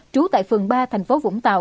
trú tại phường ba thành phố vũng tàu